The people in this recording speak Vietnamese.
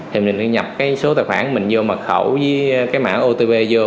thì mình nhập số tài khoản mình vô mật khẩu với mã otp vô